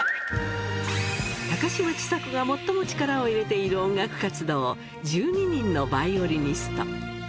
高嶋ちさ子が最も力を入れている音楽活動、１２人のヴァイオリニスト。